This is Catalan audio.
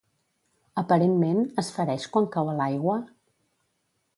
Aparentment, es fereix quan cau a l'aigua?